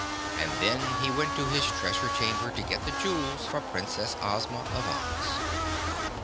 And then he went to his treasure chamber to get the jewels for Princess Ozma of Oz.